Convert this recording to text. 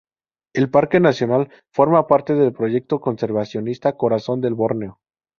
El parque nacional forma parte del proyecto conservacionista Corazón de Borneo.